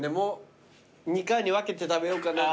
２回に分けて食べようかな？